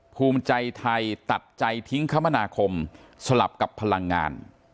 ภูมิใจไทยตัดใจทิ้งคมนาคมสลับกับพลังงาน